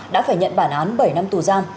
đã phải nhận bản án bảy năm tù gian